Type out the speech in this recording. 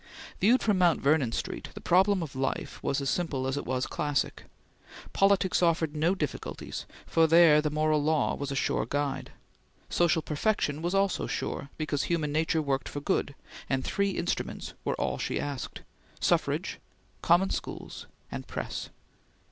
Viewed from Mount Vernon Street, the problem of life was as simple as it was classic. Politics offered no difficulties, for there the moral law was a sure guide. Social perfection was also sure, because human nature worked for Good, and three instruments were all she asked Suffrage, Common Schools, and Press.